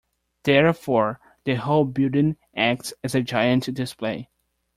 Therefore, the whole building acts as a giant display.